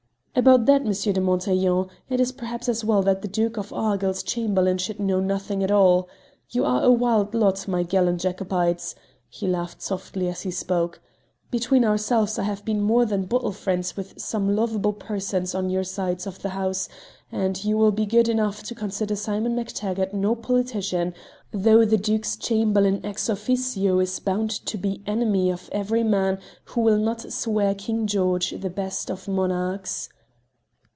"About that, M. Montaiglon, it is perhaps as well that the Duke of Argyll's Chamberlain should know nothing at all. You are a wild lot, my gallant Jacobites" he laughed softly as he spoke. "Between ourselves I have been more than bottle friends with some lovable persons on your side of the house, and you will be good enough to consider Simon MacTaggart no politician, though the Duke's Chamberlain ex officio is bound to be enemy to every man who will not swear King George the best of monarchs."